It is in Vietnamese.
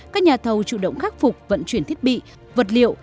các nhà thầu chủ động khắc phục vận chuyển thiết bị vật liệu